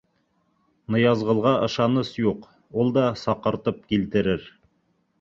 Ныязғолға ышаныс юҡ, ул да саҡыртып килтерер.